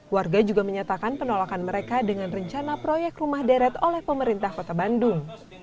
warga juga menyatakan penolakan mereka dengan rencana proyek rumah deret oleh pemerintah kota bandung